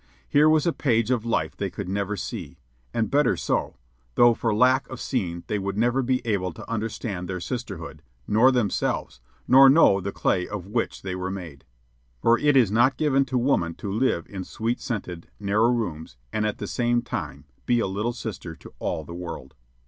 Here was a page of life they could never see and better so, though for lack of seeing they would never be able to understand their sisterhood, nor themselves, nor know the clay of which they were made. For it is not given to woman to live in sweet scented, narrow rooms and at the same time be a little sister to all the world.